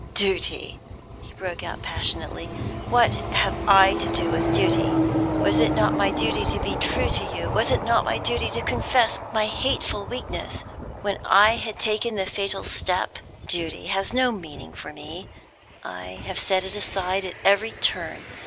"Duty!" he broke out passionately. "What have I to do with duty? Was it not my duty to be true to you? Was it not my duty to confess my hateful weakness, when I had taken the fatal step? Duty has no meaning for me. I have set it aside at every turn.